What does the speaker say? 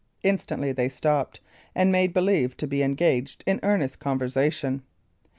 Instantly they stopped, and made believe to be engaged in earnest conversation.